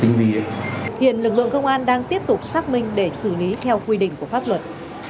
hiện lực lượng công an đang tiếp tục xác minh để xử lý theo quy định của pháp luật